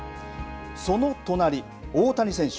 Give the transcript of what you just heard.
その隣、大谷選手